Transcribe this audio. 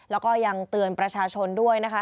แล้วก็ยังเตือนประชาชนด้วยนะคะ